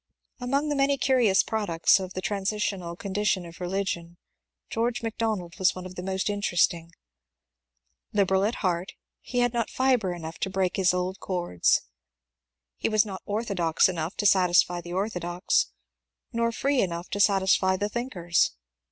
Among the many curious products of the transitional con dition of religion George Macdonald was one of the most in teresting. Liberal at heart, he had not fibre enough to break his old cords. He was not orthodox enough to satisfy the orthodox, nor free enough to satisfy the thinkers.